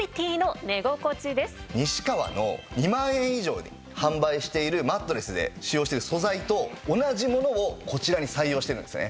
西川の２万円以上で販売しているマットレスで使用している素材と同じものをこちらに採用しているんですね。